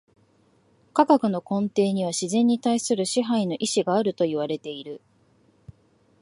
科学の根底には自然に対する支配の意志があるといわれている。